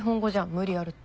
無理あるって。